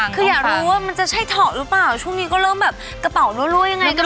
คืออยากรู้ว่ามันจะใช่เถาะหรือเปล่าช่วงนี้ก็เริ่มแบบกระเป๋ารั่วยังไง